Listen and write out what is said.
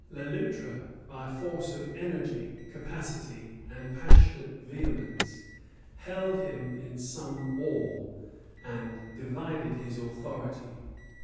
Le Loutre, by force of energy, capacity, and passionate vehemence, held him in some awe, and divided his authority.